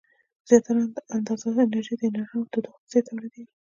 زیاتره اندازه انرژي د رڼا او تودوخې په څیر تولیدیږي.